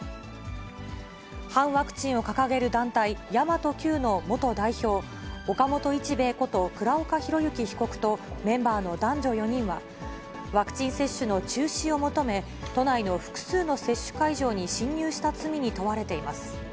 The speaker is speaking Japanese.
反ワクチンを掲げる団体、神真都Ｑの元代表、岡本一兵衛こと倉岡宏行被告と、メンバーの男女４人は、ワクチン接種の中止を求め、都内の複数の接種会場に侵入した罪に問われています。